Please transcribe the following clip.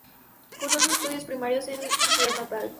Cursó sus estudios primarios en su ciudad natal.